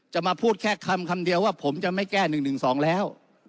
มาพูดแค่คำเดียวว่าผมจะไม่แก้๑๑๒แล้ว